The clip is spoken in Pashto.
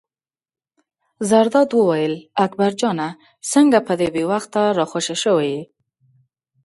زرداد وویل: اکبر جانه څنګه په دې بې وخته را خوشې شوی یې.